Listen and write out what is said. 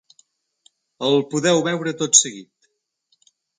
El podeu veure tot seguit.